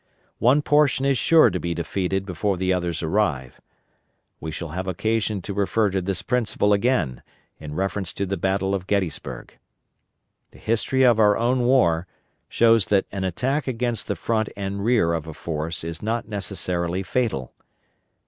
One portion is sure to be defeated before the others arrive. We shall have occasion to refer to this principle again in reference to the battle of Gettysburg. The history of our own war shows that an attack against the front and rear of a force is not necessarily fatal.